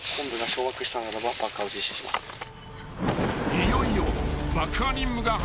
［いよいよ］